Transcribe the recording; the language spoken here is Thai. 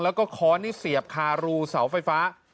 แล้วก็ค้อนนี่เสียบคารูเสาไฟฟ้า